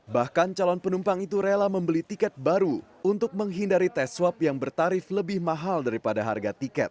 bahkan calon penumpang itu rela membeli tiket baru untuk menghindari tes swab yang bertarif lebih mahal daripada harga tiket